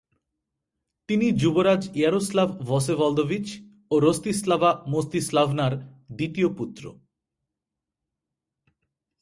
তিনি যুবরাজ Yaroslav Vsevolodovich ও রস্তিস্লাভা মস্তিস্লাভ্নার দ্বিতীয় পুত্র।